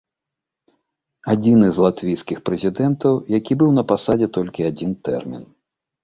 Адзіны з латвійскіх прэзідэнтаў, які быў на пасадзе толькі адзін тэрмін.